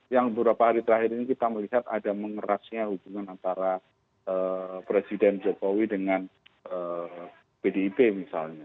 yang beberapa hari terakhir ini kita melihat ada mengerasnya hubungan antara presiden jokowi dengan pdip misalnya